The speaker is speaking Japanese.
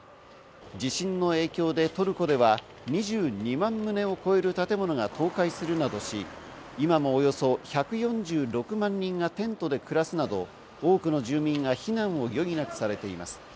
地震の影響でトルコでは２２万棟を超える建物が倒壊するなどし、今もおよそ１４６万人がテントで暮らすなど、多くの住民が避難を余儀なくされています。